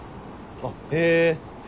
あっへぇ。